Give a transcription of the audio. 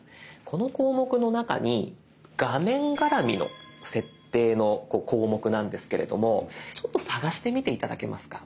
この項目の中に画面がらみの設定の項目なんですけれどもちょっと探してみて頂けますか。